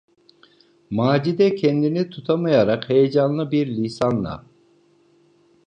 Macide kendini tutamayarak heyecanlı bir lisanla: